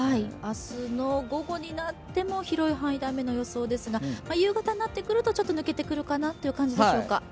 明日の午後になっても広い範囲で雨の予想ですが夕方になってくると、ちょっと抜けてくるという感じでしょうか。